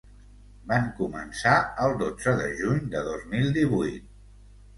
Van començar el dotze de juny de dos mil divuit.